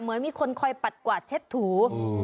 เหมือนมีคนคอยปัดกวาดเช็ดถู